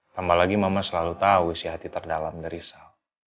tambah lagi mama selalu tahu isi hati terdalam dari salk